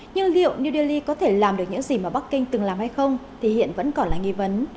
nhưng liệu new delhi có thể làm được những gì mà bắc kinh từng làm hay không thì hiện vẫn còn là nghi vấn